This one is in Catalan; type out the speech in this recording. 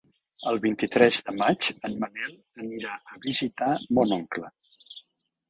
El vint-i-tres de maig en Manel anirà a visitar mon oncle.